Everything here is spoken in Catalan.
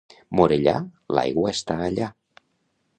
Morellà, l'aigua està allà.